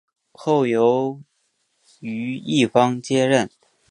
后由于一方接任。